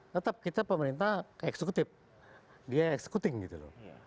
tetap kita pemerintah eksekutif dia executing gitu lho